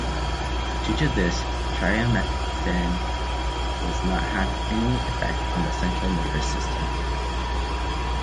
Due to this, trimethaphan does not have any effect on the central nervous system.